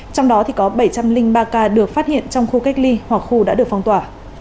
trong đó có bảy trăm linh ba ca được phát hiện trong khu cách ly hoặc khu đã được phong tỏa